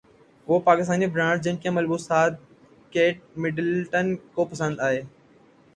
وہ پاکستانی برانڈز جن کے ملبوسات کیٹ مڈلٹن کو پسند ائے